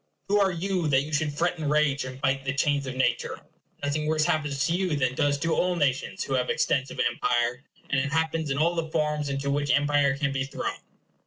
Who are you, that you should fret and rage, and bite the chains of nature? Nothing worse happens to you than does to all nations who have extensive empire; and it happens in all the forms into which empire can be thrown.